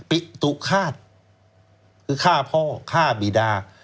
ปิตุฆาตคือฆ่าพ่อฆ่าบีดา